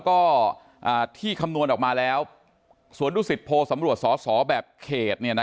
ก็ที่คำนวณออกมาแล้วสวนดุศิษย์โพสำรวจสสแบบเขตเนี่ยนะ